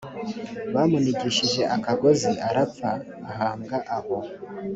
bamunigishije akagozi arapfa ahambwa aho